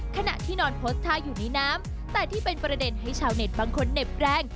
ขณะที่นอนโพสต์ท่าอยู่ในน้ำแต่ที่เป็นประเด็นให้ชาวเน็ตบางคนเหน็บแรง